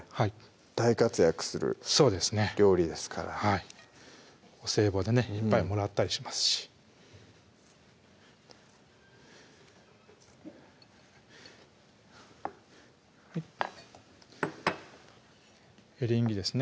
大活躍する料理ですからはいお歳暮でねいっぱいもらったりしますしエリンギですね